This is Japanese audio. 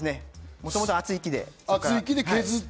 もともと厚い木で。